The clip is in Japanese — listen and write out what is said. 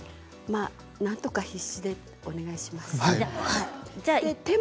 なんとか必死でお願いします。